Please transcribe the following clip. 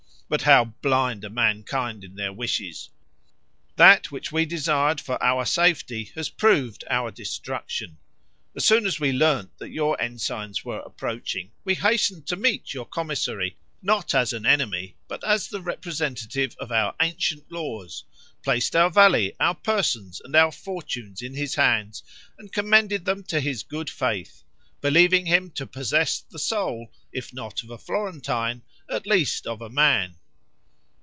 But how blind are mankind in their wishes! That which we desired for our safety has proved our destruction. As soon as we learned that your ensigns were approaching, we hastened to meet your commissary, not as an enemy, but as the representative of our ancient lords; placed our valley, our persons, and our fortunes in his hands, and commended them to his good faith, believing him to possess the soul, if not of a Florentine, at least of a man.